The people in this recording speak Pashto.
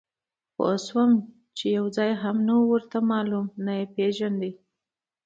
پوه شوم چې یو ځای هم نه و ورته معلوم، نه یې پېژانده.